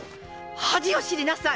恥を知りなさい！